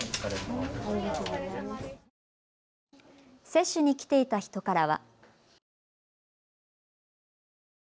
接種に来ていた人からは。